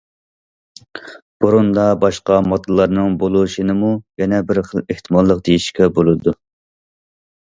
بۇرۇندا باشقا ماددىلارنىڭ بولۇشىنىمۇ يەنە بىر خىل ئېھتىماللىق دېيىشكە بولىدۇ.